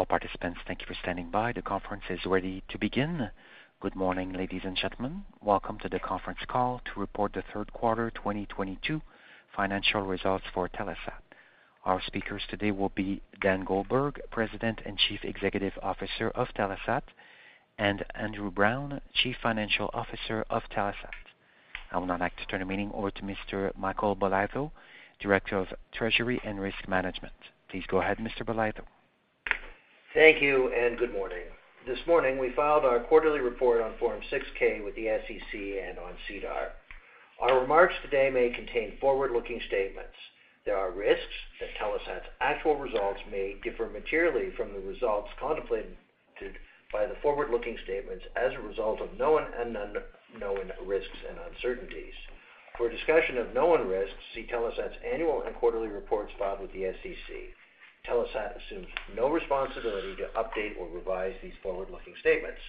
All participants, thank you for standing by. The conference is ready to begin. Good morning, ladies and gentlemen. Welcome to the conference call to report the third quarter 2022 financial results for Telesat. Our speakers today will be Dan Goldberg, President and Chief Executive Officer of Telesat, and Andrew Browne, Chief Financial Officer of Telesat. I would now like to turn the meeting over to Mr. Michael Bolitho, Director of Treasury and Risk Management. Please go ahead, Mr. Bolitho. Thank you. Good morning. This morning, we filed our quarterly report on Form 6-K with the SEC and on SEDAR. Our remarks today may contain forward-looking statements. There are risks that Telesat's actual results may differ materially from the results contemplated by the forward-looking statements as a result of known and unknown risks and uncertainties. For a discussion of known risks, see Telesat's annual and quarterly reports filed with the SEC. Telesat assumes no responsibility to update or revise these forward-looking statements.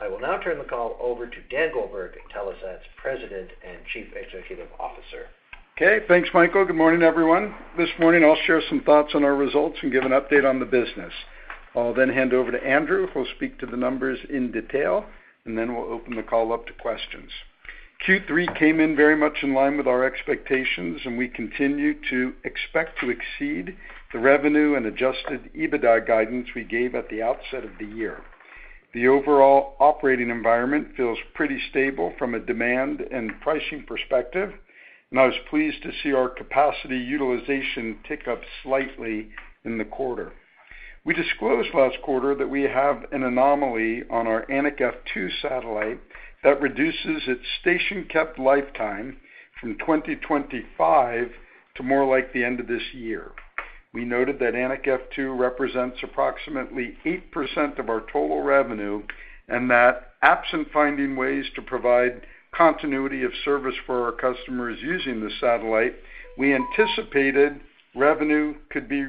I will now turn the call over to Dan Goldberg, Telesat's President and Chief Executive Officer. Okay. Thanks, Michael. Good morning, everyone. This morning, I'll share some thoughts on our results and give an update on the business. I'll hand over to Andrew, who will speak to the numbers in detail. We'll open the call up to questions. Q3 came in very much in line with our expectations, and we continue to expect to exceed the revenue and adjusted EBITDA guidance we gave at the outset of the year. The overall operating environment feels pretty stable from a demand and pricing perspective, and I was pleased to see our capacity utilization tick up slightly in the quarter. We disclosed last quarter that we have an anomaly on our Anik F2 satellite that reduces its station-kept lifetime from 2025 to more like the end of this year. We noted that Anik F2 represents approximately 8% of our total revenue, and that absent finding ways to provide continuity of service for our customers using the satellite, we anticipated revenue could be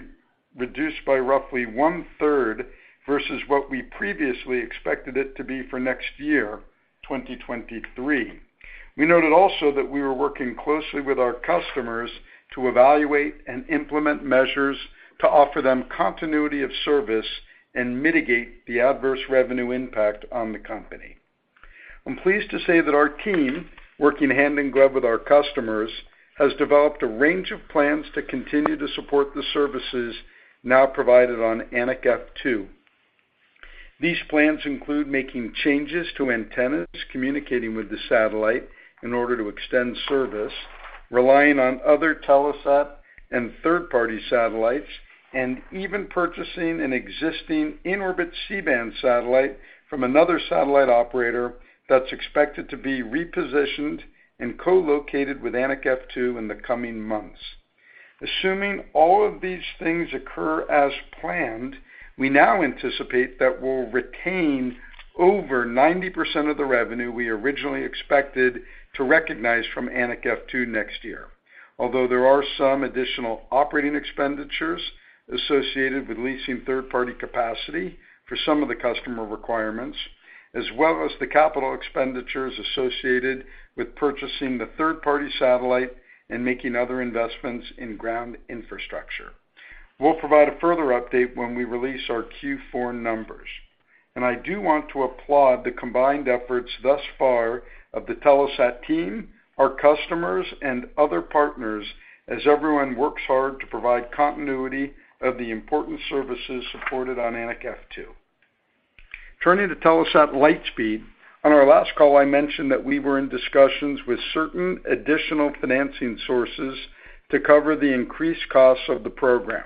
reduced by roughly one-third versus what we previously expected it to be for next year, 2023. We noted also that we were working closely with our customers to evaluate and implement measures to offer them continuity of service and mitigate the adverse revenue impact on the company. I'm pleased to say that our team, working hand in glove with our customers, has developed a range of plans to continue to support the services now provided on Anik F2. These plans include making changes to antennas communicating with the satellite in order to extend service, relying on other Telesat and third-party satellites, and even purchasing an existing in-orbit C-band satellite from another satellite operator that is expected to be repositioned and co-located with Anik F2 in the coming months. Assuming all of these things occur as planned, we now anticipate that we will retain over 90% of the revenue we originally expected to recognize from Anik F2 next year. Although there are some additional operating expenditures associated with leasing third-party capacity for some of the customer requirements, as well as the capital expenditures associated with purchasing the third-party satellite and making other investments in ground infrastructure. We will provide a further update when we release our Q4 numbers. I do want to applaud the combined efforts thus far of the Telesat team, our customers, and other partners as everyone works hard to provide continuity of the important services supported on Anik F2. Turning to Telesat Lightspeed. On our last call, I mentioned that we were in discussions with certain additional financing sources to cover the increased costs of the program,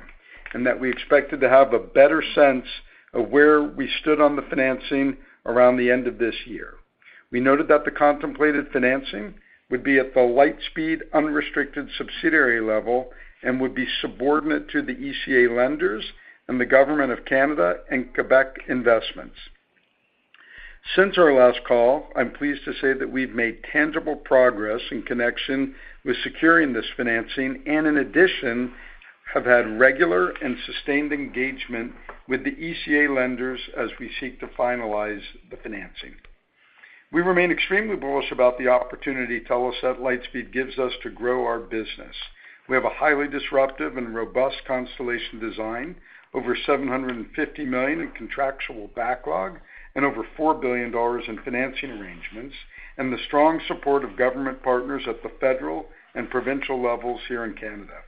and that we expected to have a better sense of where we stood on the financing around the end of this year. We noted that the contemplated financing would be at the Lightspeed unrestricted subsidiary level and would be subordinate to the ECA lenders and the government of Canada and Quebec Investments. Since our last call, I am pleased to say that we have made tangible progress in connection with securing this financing, and in addition, have had regular and sustained engagement with the ECA lenders as we seek to finalize the financing. We remain extremely bullish about the opportunity Telesat Lightspeed gives us to grow our business. We have a highly disruptive and robust constellation design, over 750 million in contractual backlog, and over 4 billion dollars in financing arrangements, and the strong support of government partners at the federal and provincial levels here in Canada.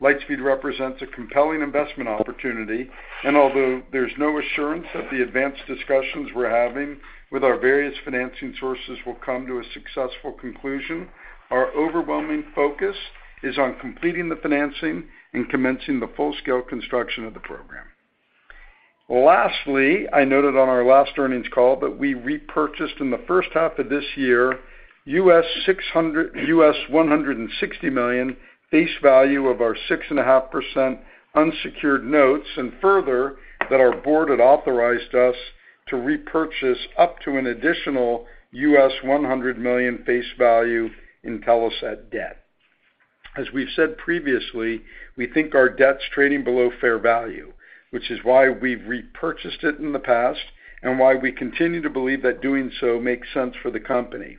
Lightspeed represents a compelling investment opportunity, and although there is no assurance that the advanced discussions we are having with our various financing sources will come to a successful conclusion, our overwhelming focus is on completing the financing and commencing the full-scale construction of the program. Lastly, I noted on our last earnings call that we repurchased in the first half of this year, US $160 million face value of our 6.5% unsecured notes, and further, that our board had authorized us to repurchase up to an additional US $100 million face value in Telesat debt. As we have said previously, we think our debt is trading below fair value, which is why we have repurchased it in the past and why we continue to believe that doing so makes sense for the company.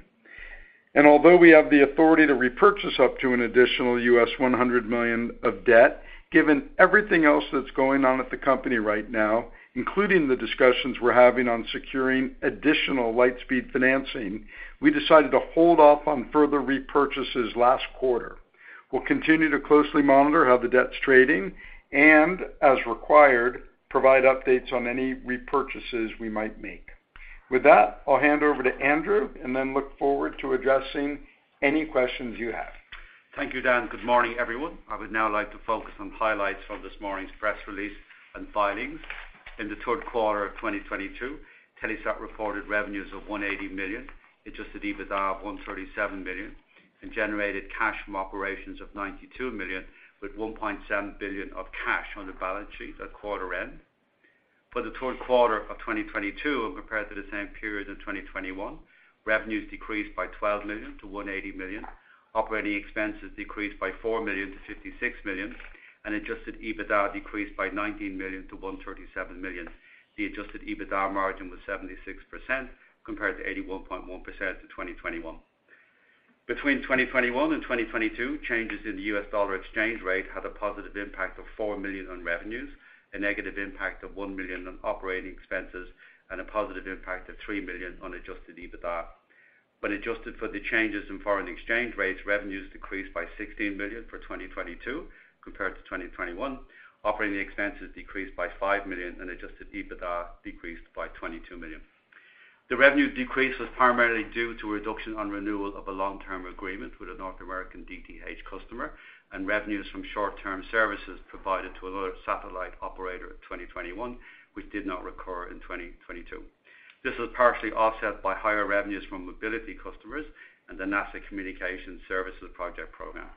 Although we have the authority to repurchase up to an additional US $100 million of debt, given everything else that is going on at the company right now, including the discussions we are having on securing additional Lightspeed financing, we decided to hold off on further repurchases last quarter. We'll continue to closely monitor how the debt's trading and, as required, provide updates on any repurchases we might make. With that, I'll hand over to Andrew and then look forward to addressing any questions you have. Thank you, Dan. Good morning, everyone. I would now like to focus on highlights from this morning's press release and filings. In the third quarter of 2022, Telesat reported revenues of 180 million, adjusted EBITDA of 137 million, and generated cash from operations of 92 million, with 1.7 billion of cash on the balance sheet at quarter end. For the third quarter of 2022 when compared to the same period in 2021, revenues decreased by 12 million to 180 million, operating expenses decreased by 4 million to 56 million, and adjusted EBITDA decreased by 19 million to 137 million. The adjusted EBITDA margin was 76%, compared to 81.1% to 2021. Between 2021 and 2022, changes in the U.S. dollar exchange rate had a positive impact of $4 million on revenues, a negative impact of $1 million on operating expenses, and a positive impact of $3 million on adjusted EBITDA. When adjusted for the changes in foreign exchange rates, revenues decreased by 16 million for 2022 compared to 2021. Operating expenses decreased by 5 million, and adjusted EBITDA decreased by 22 million. The revenue decrease was primarily due to a reduction on renewal of a long-term agreement with a North American DTH customer and revenues from short-term services provided to another satellite operator in 2021, which did not recur in 2022. This was partially offset by higher revenues from mobility customers and the NASA Communication Services project program.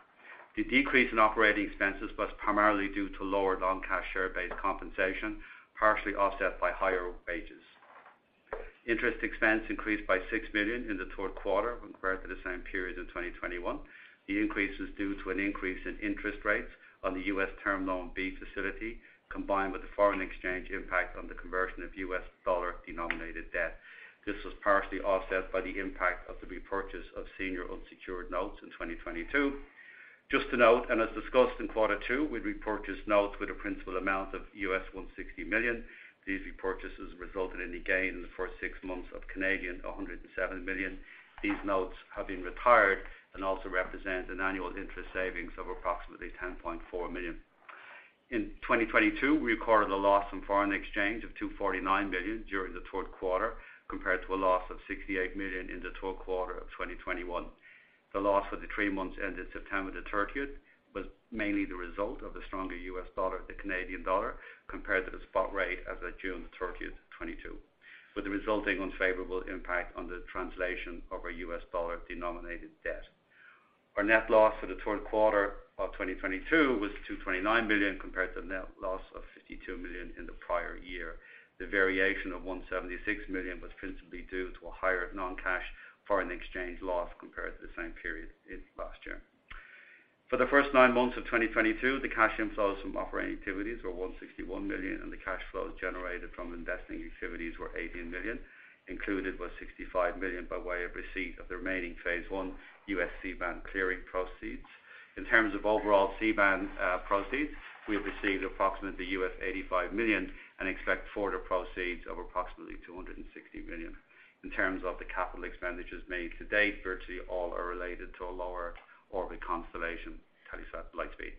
The decrease in operating expenses was primarily due to lower non-cash share-based compensation, partially offset by higher wages. Interest expense increased by 6 million in the third quarter when compared to the same period in 2021. The increase is due to an increase in interest rates on the U.S. Term Loan B facility, combined with the foreign exchange impact on the conversion of U.S. dollar-denominated debt. This was partially offset by the impact of the repurchase of senior unsecured notes in 2022. Just to note, and as discussed in Quarter 2, we'd repurchased notes with a principal amount of $160 million. These repurchases resulted in a gain in the first six months of 107 million. These notes have been retired and also represent an annual interest savings of approximately 10.4 million. In 2022, we recorded a loss in foreign exchange of 249 million during the third quarter, compared to a loss of 68 million in the third quarter of 2021. The loss for the three months ended September the 30th was mainly the result of the stronger U.S. dollar to Canadian dollar, compared to the spot rate as at June 30th, 2022, with the resulting unfavorable impact on the translation of our U.S. dollar-denominated debt. Our net loss for the third quarter of 2022 was 229 million, compared to the net loss of 52 million in the prior year. The variation of 176 million was principally due to a higher non-cash foreign exchange loss compared to the same period in last year. For the first nine months of 2022, the cash inflows from operating activities were 161 million, and the cash flows generated from investing activities were 18 million. Included was 65 million by way of receipt of the remaining Phase 1 U.S. C-band clearing proceeds. In terms of overall C-band proceeds, we have received approximately $85 million and expect further proceeds of approximately 260 million. In terms of the capital expenditures made to date, virtually all are related to a lower orbit constellation, Telesat Lightspeed.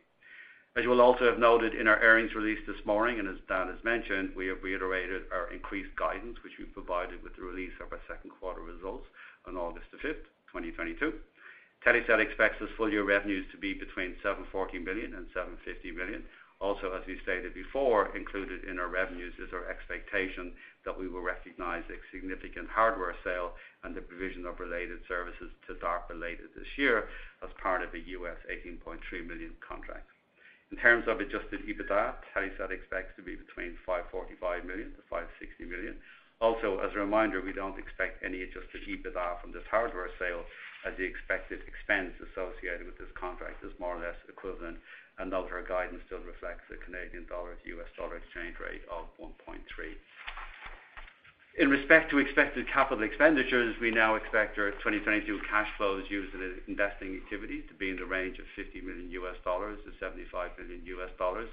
As you will also have noted in our earnings release this morning, and as Dan has mentioned, we have reiterated our increased guidance, which we provided with the release of our second quarter results on August the 5th, 2022. Telesat expects its full-year revenues to be between 740 million and 750 million. As we stated before, included in our revenues is our expectation that we will recognize a significant hardware sale and the provision of related services to DARPA later this year as part of the $18.3 million contract. In terms of Adjusted EBITDA, Telesat expects to be between 545 million to 560 million. As a reminder, we don't expect any Adjusted EBITDA from this hardware sale as the expected expense associated with this contract is more or less equivalent, and note our guidance still reflects the Canadian dollar to U.S. dollar exchange rate of 1.3. In respect to expected capital expenditures, we now expect our 2022 cash flows used in the investing activity to be in the range of $50 million-$75 million,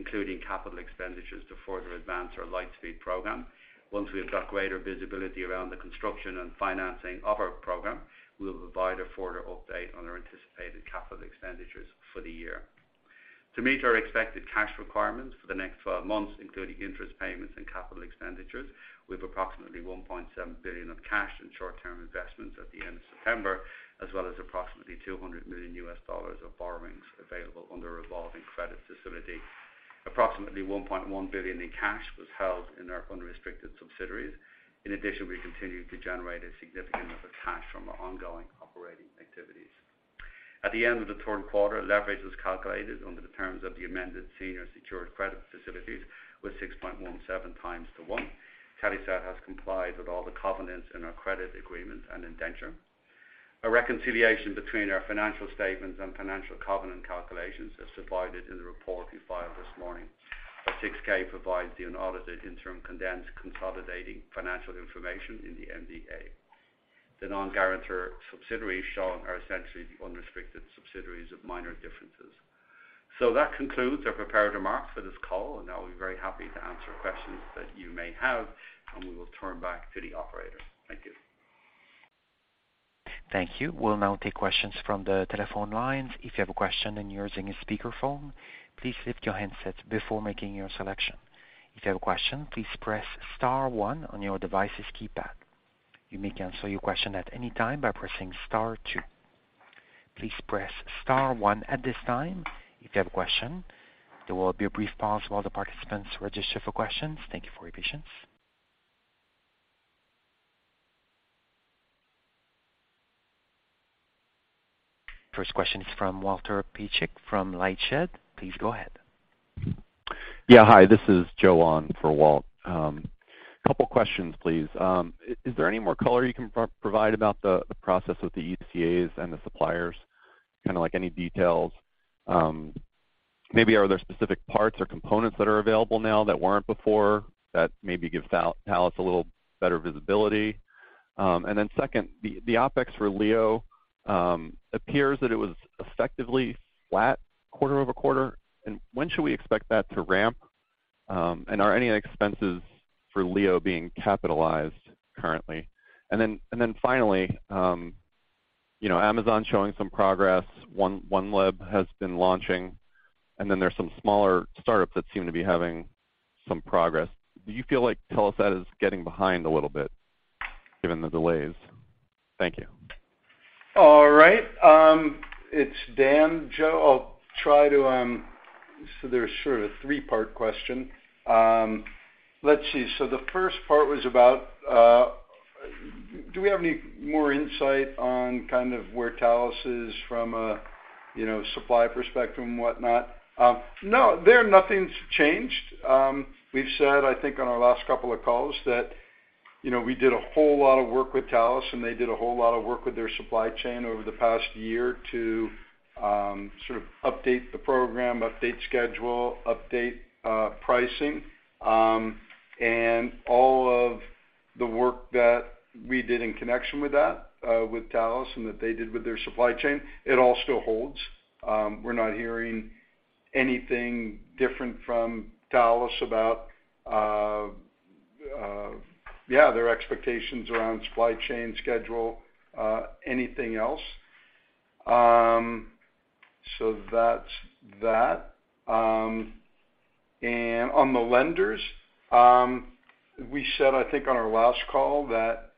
including capital expenditures to further advance our Lightspeed program. Once we have got greater visibility around the construction and financing of our program, we'll provide a further update on our anticipated capital expenditures for the year. To meet our expected cash requirements for the next 12 months, including interest payments and capital expenditures, we have approximately 1.7 billion of cash and short-term investments at the end of September, as well as approximately $200 million of borrowings available under a revolving credit facility. Approximately 1.1 billion in cash was held in our unrestricted subsidiaries. We continued to generate a significant amount of cash from our ongoing operating activities. At the end of the third quarter, leverage was calculated under the terms of the amended senior secured credit facilities, with 6.17 times to 1. Telesat has complied with all the covenants in our credit agreement and indenture. A reconciliation between our financial statements and financial covenant calculations is provided in the report we filed this morning. A Form 6-K provides the unaudited interim condensed consolidating financial information in the MDA. The non-guarantor subsidiaries shown are essentially the unrestricted subsidiaries of minor differences. That concludes our prepared remarks for this call. Now we'd be very happy to answer questions that you may have. We will turn back to the operator. Thank you. Thank you. We'll now take questions from the telephone lines. If you have a question and you're using a speakerphone, please lift your handsets before making your selection. If you have a question, please press star one on your device's keypad. You may cancel your question at any time by pressing star two. Please press star one at this time if you have a question. There will be a brief pause while the participants register for questions. Thank you for your patience. First question is from Walter Piecyk from LightShed Partners. Please go ahead. Yeah. Hi, this is Joe on for Walt. Couple questions, please. Is there any more color you can provide about the process with the ECAs and the suppliers? Any details? Maybe are there specific parts or components that are available now that weren't before that maybe gives Thales a little better visibility? Second, the OpEx for LEO appears that it was effectively flat quarter-over-quarter. When should we expect that to ramp? Are any expenses for LEO being capitalized currently? Finally, Amazon showing some progress. OneWeb has been launching, and then there's some smaller startups that seem to be having some progress. Do you feel like Telesat is getting behind a little bit, given the delays? Thank you. All right. It's Dan, Joe. There's sort of a three-part question. Let's see. The first part was about, do we have any more insight on where Thales is from a supply perspective and whatnot? No. Nothing's changed. We've said, I think on our last couple of calls that we did a whole lot of work with Thales, and they did a whole lot of work with their supply chain over the past year to sort of update the program, update schedule, update pricing. All of the work that we did in connection with that, with Thales and that they did with their supply chain, it all still holds. We're not hearing anything different from Thales about their expectations around supply chain schedule, anything else. That's that. On the lenders, we said, I think on our last call that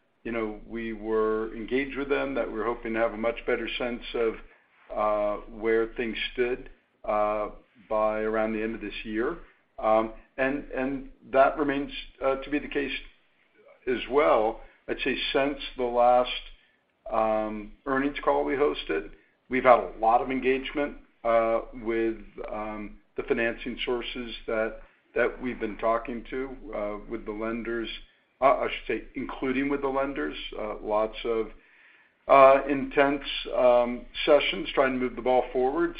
we were engaged with them, that we're hoping to have a much better sense of where things stood by around the end of this year. That remains to be the case as well. I'd say since the last earnings call we hosted, we've had a lot of engagement, with the financing sources that we've been talking to, with the lenders. I should say, including with the lenders, lots of intense sessions trying to move the ball forward.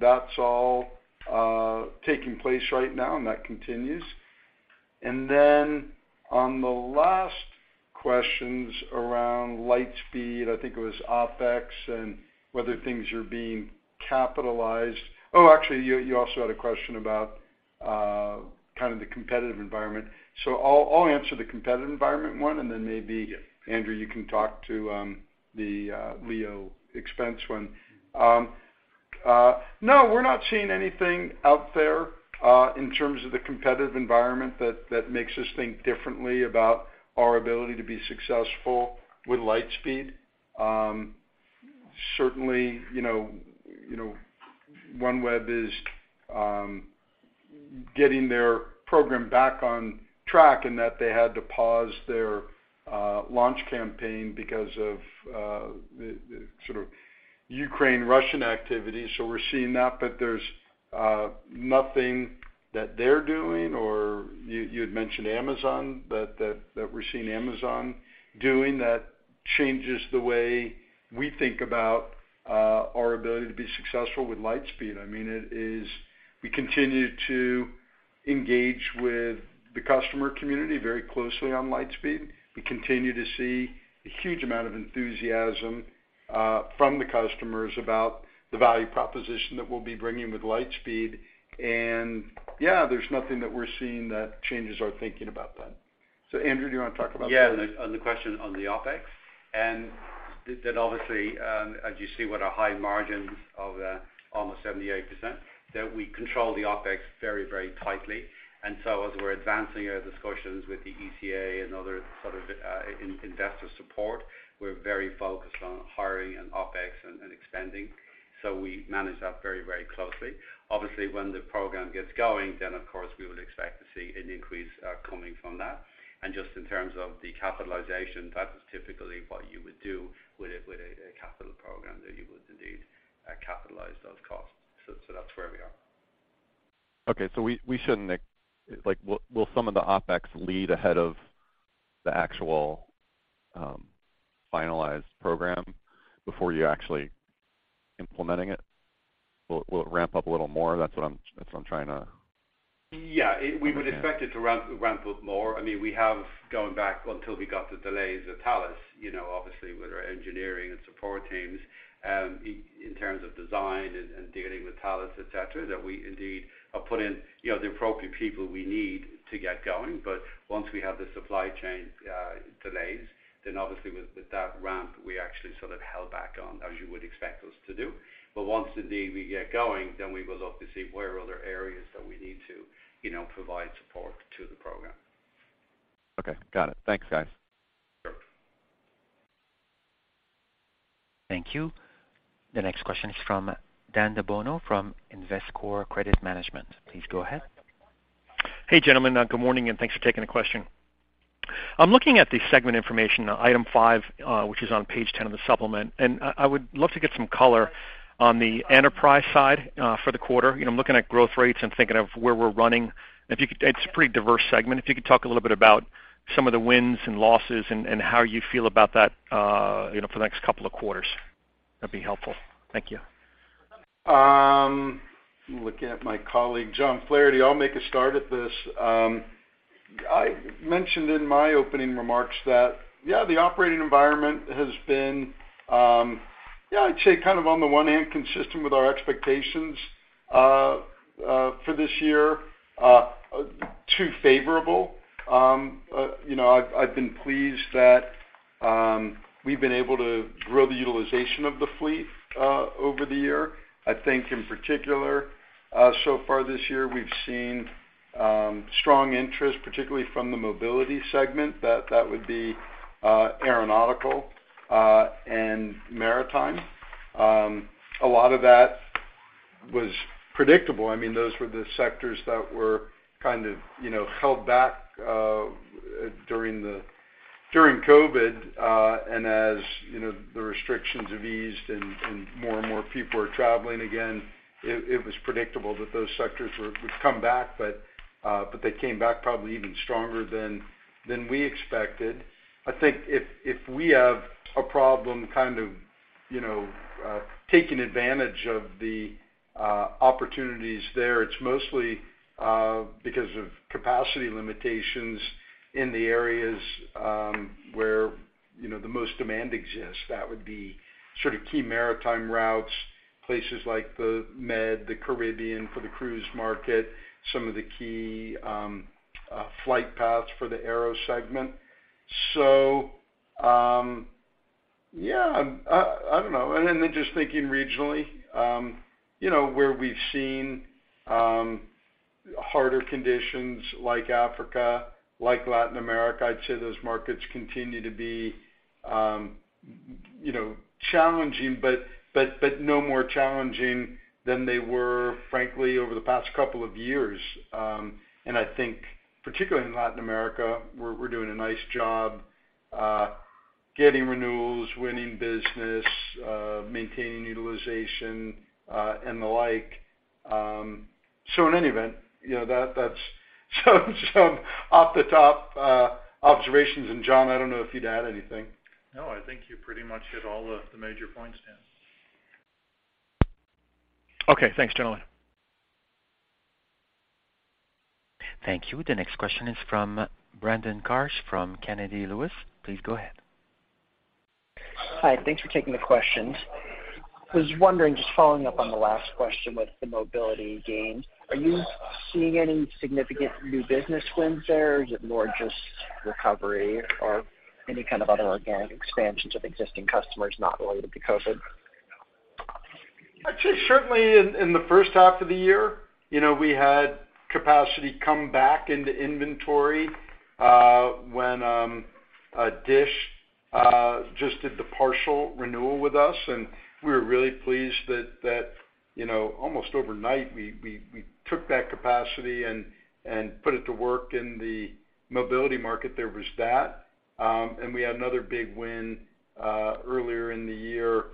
That's all taking place right now, and that continues. On the last questions around Lightspeed, I think it was OpEx and whether things are being capitalized. Actually, you also had a question about kind of the competitive environment. I'll answer the competitive environment one, and then maybe, Andrew, you can talk to the LEO expense one. No, we're not seeing anything out there, in terms of the competitive environment that makes us think differently about our ability to be successful with Lightspeed. Certainly, OneWeb is getting their program back on track, and that they had to pause their launch campaign because of the sort of Ukraine-Russian activity. We're seeing that, but there's nothing that they're doing, or you had mentioned Amazon, that we're seeing Amazon doing that changes the way we think about our ability to be successful with Lightspeed. I mean, it is we continue to engage with the customer community very closely on Lightspeed. We continue to see a huge amount of enthusiasm from the customers about the value proposition that we'll be bringing with Lightspeed. Yeah, there's nothing that we're seeing that changes our thinking about that. Andrew, do you want to talk about that? Yeah. On the question on the OpEx. That obviously, as you see what a high margins of almost 78%, that we control the OpEx very tightly. As we're advancing our discussions with the ECA and other sort of investor support, we're very focused on hiring and OpEx and expanding. We manage that very closely. Obviously, when the program gets going, then, of course, we would expect to see an increase coming from that. Just in terms of the capitalization, that is typically what you would do with a capital program, that you would indeed capitalize those costs. That's where we are. Okay. Will some of the OpEx lead ahead of the actual finalized program before you are actually implementing it will ramp up a little more? That is what I am trying to understand. Yeah. We would expect it to ramp up more. We have gone back until we got the delays of Thales, obviously with our engineering and support teams, in terms of design and dealing with Thales, et cetera, that we indeed have put in the appropriate people we need to get going. Once we have the supply chain delays, then obviously with that ramp, we actually sort of held back on, as you would expect us to do. Once indeed we get going, then we will look to see where other areas that we need to provide support to the program. Okay. Got it. Thanks, guys. Sure. Thank you. The next question is from Dan DeBono from Investcorp Credit Management. Please go ahead. Hey, gentlemen. Good morning, and thanks for taking the question. I'm looking at the segment information, item five, which is on page 10 of the supplement, and I would love to get some color on the enterprise side for the quarter. I'm looking at growth rates and thinking of where we're running. It's a pretty diverse segment. If you could talk a little bit about some of the wins and losses and how you feel about that for the next couple of quarters, that'd be helpful. Thank you. I'm looking at my colleague, John Flaherty. I'll make a start at this. I mentioned in my opening remarks that the operating environment has been, I'd say, kind of on the one hand, consistent with our expectations for this year. Too favorable. I've been pleased that we've been able to grow the utilization of the fleet over the year. I think, in particular, so far this year, we've seen strong interest, particularly from the mobility segment, that would be aeronautical and maritime. A lot of that was predictable. Those were the sectors that were kind of held back during COVID. As the restrictions have eased and more and more people are traveling again, it was predictable that those sectors would come back, but they came back probably even stronger than we expected. I think if we have a problem kind of taking advantage of the opportunities there, it's mostly because of capacity limitations in the areas where the most demand exists. That would be sort of key maritime routes, places like the Med, the Caribbean for the cruise market, some of the key flight paths for the aero segment. I don't know. Just thinking regionally, where we've seen harder conditions like Africa, like Latin America, I'd say those markets continue to be challenging, but no more challenging than they were, frankly, over the past couple of years. I think particularly in Latin America, we're doing a nice job getting renewals, winning business, maintaining utilization, and the like. In any event, that's some off-the-top observations, and John, I don't know if you'd add anything. I think you pretty much hit all the major points, Dan. Okay, thanks, gentlemen. Thank you. The next question is from Brandon Karsch from Canaccord Genuity. Please go ahead. Hi. Thanks for taking the questions. Was wondering, just following up on the last question with the mobility gains, are you seeing any significant new business wins there, or is it more just recovery or any kind of other organic expansions of existing customers not related to COVID? I'd say certainly in the first half of the year, we had capacity come back into inventory when Dish just did the partial renewal with us, and we were really pleased that almost overnight, we took that capacity and put it to work in the mobility market. There was that. We had another big win earlier in the year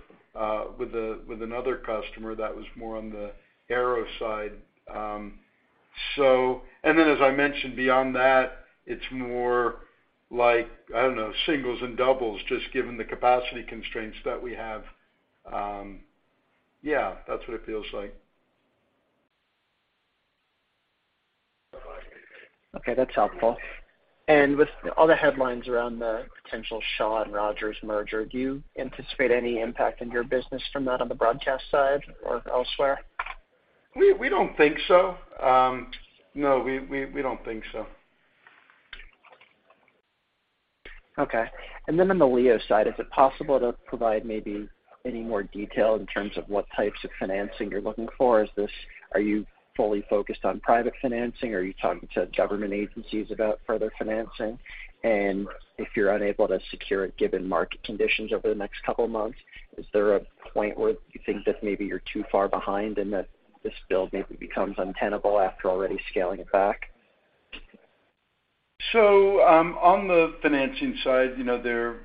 with another customer that was more on the aero side. Then, as I mentioned, beyond that, it's more like, I don't know, singles and doubles, just given the capacity constraints that we have. Yeah, that's what it feels like. Okay, that's helpful. With all the headlines around the potential Shaw and Rogers merger, do you anticipate any impact on your business from that on the broadcast side or elsewhere? We don't think so. No, we don't think so. Okay. On the LEO side, is it possible to provide maybe any more detail in terms of what types of financing you're looking for? Are you fully focused on private financing? Are you talking to government agencies about further financing? If you're unable to secure it given market conditions over the next couple of months, is there a point where you think that maybe you're too far behind and that this build maybe becomes untenable after already scaling back? On the financing side, There's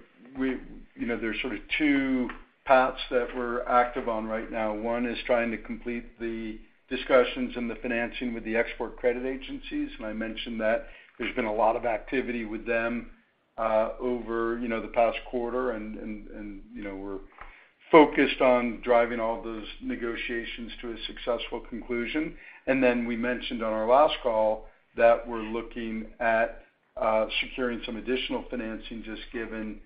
sort of two paths that we're active on right now. One is trying to complete the discussions and the financing with the export credit agencies, and I mentioned that there's been a lot of activity with them over the past quarter, and we're focused on driving all those negotiations to a successful conclusion. We mentioned on our last call that we're looking at securing some additional financing, just given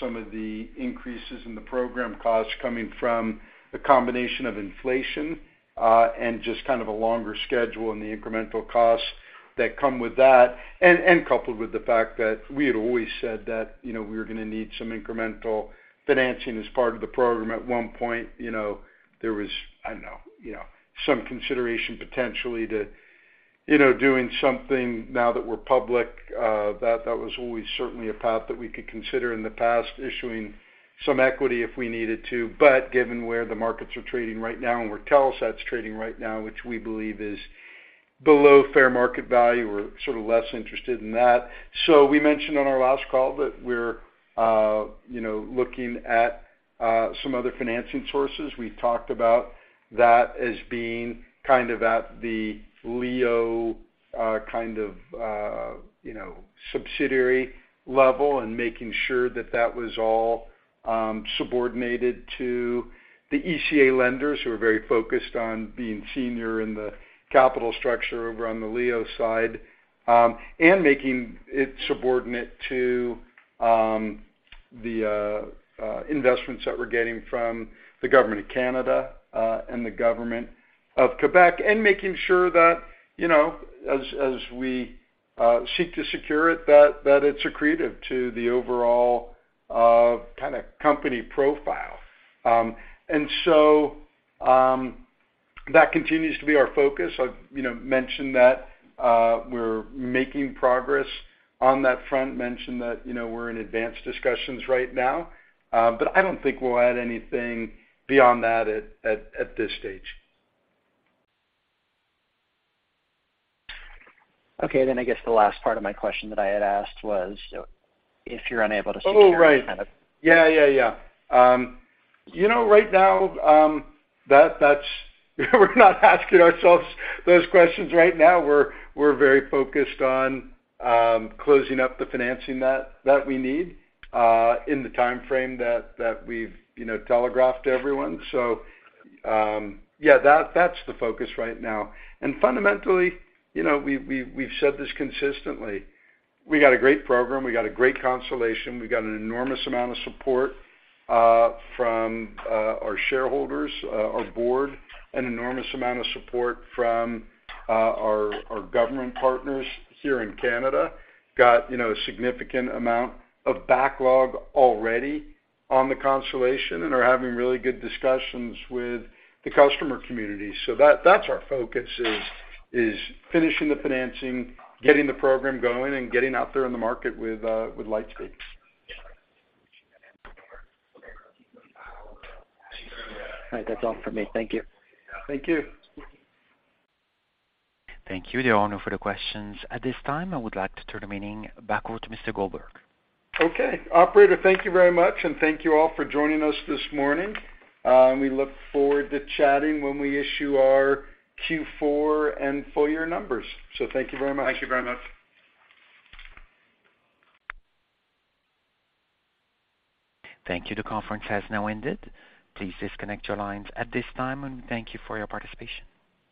some of the increases in the program costs coming from the combination of inflation, and just kind of a longer schedule and the incremental costs that come with that. Coupled with the fact that we had always said that we were going to need some incremental financing as part of the program at one point. There was, I know, some consideration potentially to doing something now that we're public. That was always certainly a path that we could consider in the past, issuing some equity if we needed to. Given where the markets are trading right now and where Telesat's trading right now, which we believe is below fair market value, we're sort of less interested in that. We mentioned on our last call that we're looking at some other financing sources. We've talked about that as being kind of at the LEO subsidiary level and making sure that that was all subordinated to the ECA lenders who are very focused on being senior in the capital structure over on the LEO side. Making it subordinate to the investments that we're getting from the Government of Canada, and the Government of Quebec, and making sure that as we seek to secure it, that it's accretive to the overall company profile. That continues to be our focus. I've mentioned that we're making progress on that front, mentioned that we're in advanced discussions right now. I don't think we'll add anything beyond that at this stage. I guess the last part of my question that I had asked was, if you're unable to secure- Oh, right. Yeah. Right now, we're not asking ourselves those questions right now. We're very focused on closing up the financing that we need, in the timeframe that we've telegraphed to everyone. Yeah, that's the focus right now. Fundamentally, we've said this consistently. We got a great program. We got a great constellation. We got an enormous amount of support from our shareholders, our board, an enormous amount of support from our Government partners here in Canada, got a significant amount of backlog already on the constellation, and are having really good discussions with the customer community. That's our focus, is finishing the financing, getting the program going, and getting out there in the market with Lightspeed. All right. That's all from me. Thank you. Thank you. Thank you, everyone, for the questions. At this time, I would like to turn the meeting back over to Mr. Goldberg. Okay. Operator, thank you very much, and thank you all for joining us this morning. We look forward to chatting when we issue our Q4 and full-year numbers. Thank you very much. Thank you very much. Thank you. The conference has now ended. Please disconnect your lines at this time, and we thank you for your participation.